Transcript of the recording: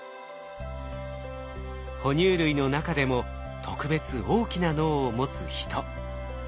哺乳類の中でも特別大きな脳を持つヒト。